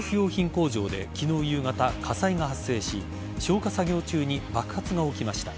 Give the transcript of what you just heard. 工場で昨日夕方火災が発生し消火作業中に爆発が起きました。